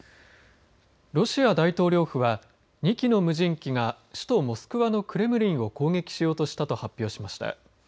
ロシア大統領府は２機の無人機が首都モスクワのクレムリンを攻撃しようとしたと発表しました。